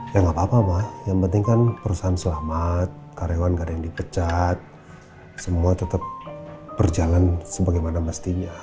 ya nggak apa apa mbak yang penting kan perusahaan selamat karyawan gak ada yang dipecat semua tetap berjalan sebagaimana mestinya